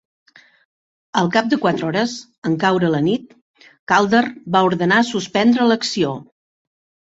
Al cap de quatre hores, en caure la nit, Calder va ordenar suspendre l'acció.